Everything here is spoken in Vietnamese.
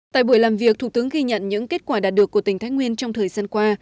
tại buổi làm việc thủ tướng ghi nhận những kết quả đạt được của tỉnh thái nguyên trong thời gian qua